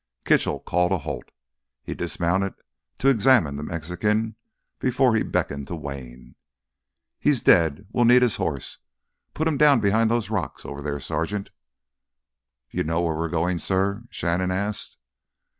Kitchell called a halt. He dismounted to examine the Mexican before he beckoned to Wayne. "He's dead. We'll need his horse. Put him down behind those rocks over there, Sergeant." "You know where we're goin', suh?" Shannon asked.